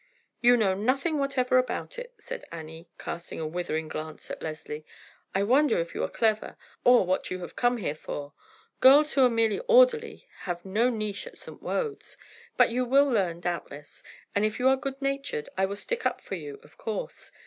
"You know nothing whatever about it," said Annie, casting a withering glance at Leslie. "I wonder if you are clever or what you have come here for. Girls who are merely orderly have no niche at St. Wode's. But you will learn doubtless; and if you are good natured I will stick up for you of course.